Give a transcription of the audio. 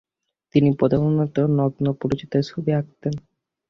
তিনি প্রধানত নগ্ন পুরুষদের ছবি আঁকতেন।